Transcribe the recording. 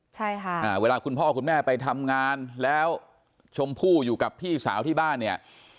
ใช่ค่ะอ่าเวลาคุณพ่อคุณแม่ไปทำงานแล้วชมพู่อยู่กับพี่สาวที่บ้านเนี่ย